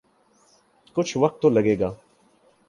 کچھ وقت تو لگے گا۔